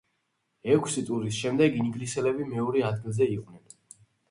ექვსი ტურის შემდეგ ინგლისელები მეორე ადგილზე იყვნენ.